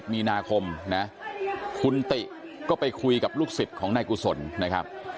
มีนาคมนะคุณติก็ไปคุยกับลูกศิษย์ของนายกุศลนะครับ